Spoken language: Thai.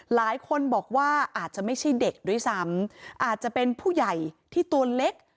หลายคนบอกว่าอาจจะไม่ใช่เด็กด้วยซ้ำอาจจะเป็นผู้ใหญ่ที่ตัวเล็ก